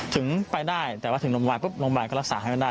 ถึงไปได้แต่ถึงรอบบาลปุ๊บโรงพยาบาลอย่าปรากฏให้มาได้